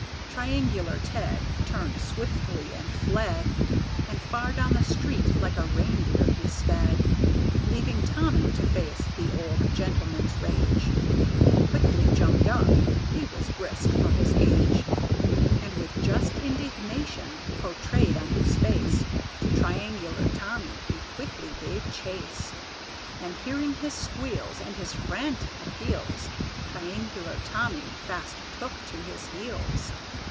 Triangular Ted Turned swiftly and fled, And far down the street like a reindeer he sped, Leaving Tommy to face the old gentleman's rage, Who quickly jumped up, he was brisk for his age, And with just indignation portrayed on his face, To Triangular Tommy he quickly gave chase. And hearing his squeals And his frantic appeals, Triangular Tommy fast took to his heels.